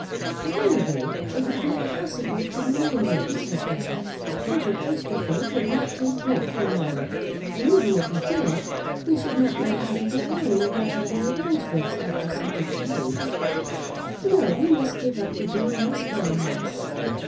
"At any rate, it would be impossible to remain here," said Bell. "Uncle Christopher would not take rent from mamma; and even if he did, we should not know how to go on with our other arrangements after such a change. No; we must give up the dear old Small House."